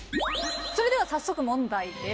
それでは早速問題です。